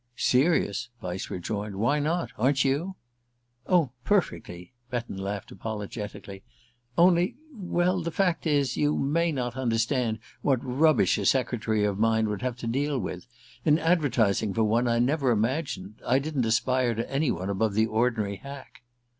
"Serious?" Vyse rejoined. "Why not? Aren't you?" "Oh, perfectly." Betton laughed apologetically. "Only well, the fact is, you may not understand what rubbish a secretary of mine would have to deal with. In advertising for one I never imagined I didn't aspire to any one above the ordinary hack."